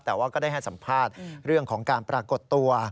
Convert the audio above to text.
แต่ว่าก็ได้ให้สัมภาษณ์เรื่องของการปรากฏตัว